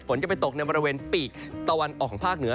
ฝนจะไปตกในบริเวณปีกตะวันออกของภาคเหนือ